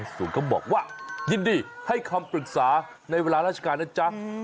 ส่วนก็บอกว่ายินดีให้คำปรึกษาในเวลาราชการนะจ๊ะ